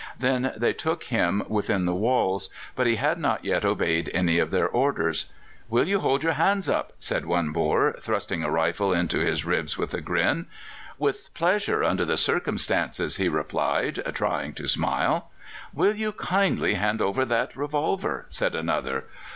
Then they took him within the walls. But he had not yet obeyed any of their orders. "Will you hold your hands up?" said one Boer, thrusting a rifle into his ribs with a grin. "With pleasure, under the circumstances," he replied, trying to smile. "Will you kindly hand over that revolver?" said another.